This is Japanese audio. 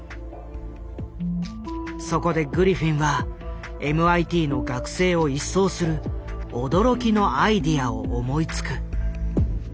そこでグリフィンはＭＩＴの学生を一掃する驚きのアイデアを思いつく。